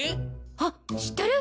あっ知ってる？